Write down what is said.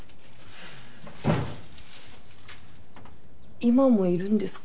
今もいるんですか？